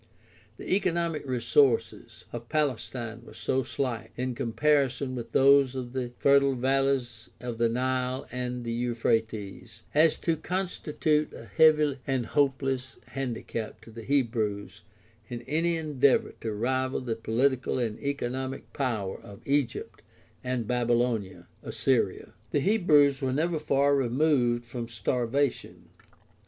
The economic resources of Palestine were so slight, in comparison with those of the fertile valleys of the Nile and the Euphrates, as to constitute a heavy and hopeless handicap to the Hebrews in any endeavor to rival the political and economic power of Egypt and 128 GUIDE TO STUDY OF CHRISTIAN RELIGION Baby Ionia Assyria. The Hebrews were never far removed from starvation.